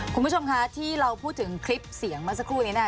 คุณผู้ชมคะที่เราพูดถึงคลิปเสียงเมื่อสักครู่นี้นะคะ